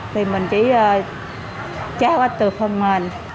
thì mình chỉ trao áp từ phần mềm